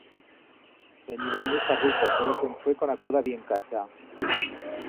Veniba muit farruco, pero se'n fue con a coda bien cacha.